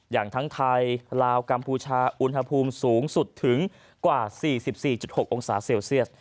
อย่างทั้งไทยลาวกัมพูชาอุณหภูมิสูงสุดถึงกว่า๔๔๖องศาเซลเซียส